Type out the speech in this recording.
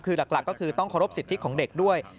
คือหลักก็คือต้องเคารพสิทธิของเด็กด้วย